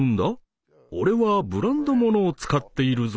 俺はブランドものを使っているぞ」